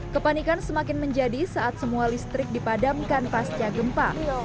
kepanikan semakin menjadi saat semua listrik dipadamkan pasca gempa